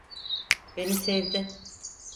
Beni sevdi.